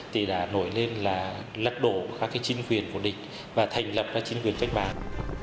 thì đã nổi lên là lật đổ các chính quyền của địch và thành lập các chính quyền cách mạng